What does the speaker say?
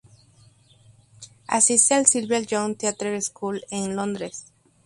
Asiste al Sylvia Young Theatre School en Londres.